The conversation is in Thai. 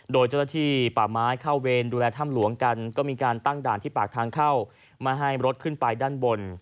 โดยเจ้าหน้าที่ป่าไม้เข้าเวรดูแลถ้ำหลวงกันก็มีการตั้งด่านที่ปากทางเข้ามาให้รถขึ้นไปด้านบน